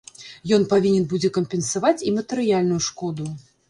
Ён павінен будзе кампенсаваць і матэрыяльную шкоду.